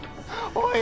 おい